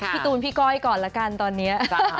พี่ตูนพี่ก้อยก่อนละกันตอนนี้